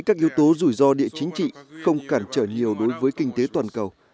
các yếu tố rủi ro địa chính trị không cản trở nhiều đối với kinh tế toàn cầu